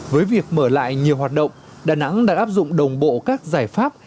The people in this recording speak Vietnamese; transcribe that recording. với việc mở lại nhiều hoạt động đà nẵng đã áp dụng đồng bộ các giải pháp